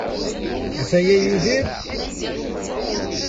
Ataya Yidir?